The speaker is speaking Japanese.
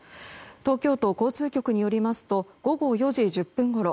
東京都交通局によりますと午後４時１０分ごろ